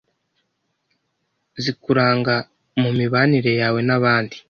zikuranga mu mibanire yawe n’abandi